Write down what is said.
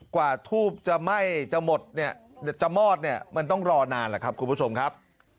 กว่าทูบจะไหม้จะหมดเนี่ยจะมอดเนี่ยมันต้องรอนานแหละครับคุณผู้ชมครับ